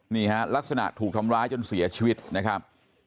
นี่ฮะลักษณะถูกทำร้ายจนเสียชีวิตนะครับ